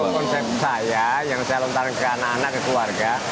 kalau konsep saya yang saya lontar ke anak anak keluarga